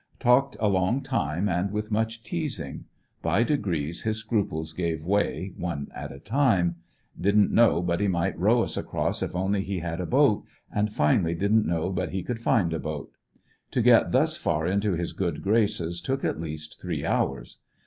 Talked a long time and with much teas ing. By degrees his scruples gave way, one at a time. Didn't 143 FINAL ESCAPE, know b.it he might row iis across if he only had a boat, and finally didn't know but he could find a boat To get thus far into his good graces took at least three hours.